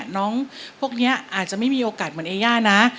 น้องพวกนี้อาจจะไม่มีโอกาสเหมือนเอย่านะ